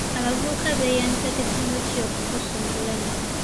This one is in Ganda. Abavubuka beeyambisa tekinologiya okukyusa obulamu.